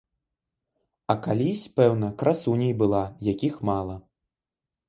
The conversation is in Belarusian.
А калісь, пэўна, красуняй была, якіх мала.